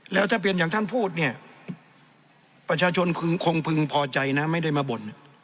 แล้วถ้าเปลี่ยนอย่างท่านพูดเนี่ยประชาชนคงพึงพอใจนะไม่ได้มาบ่น